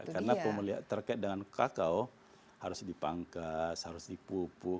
karena pemeliharaan terkait dengan kakao harus dipangkas harus dipupuk